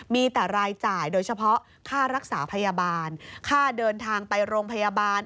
มีแต่รายจ่ายโดยเฉพาะค่ารักษาพยาบาลค่าเดินทางไปโรงพยาบาล